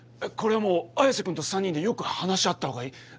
これはもう綾瀬君と３人でよく話し合ったほうがいい。